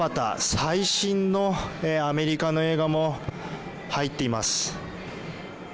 最新のアメリカの映画も入っています。